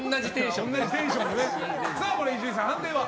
伊集院さん、判定は？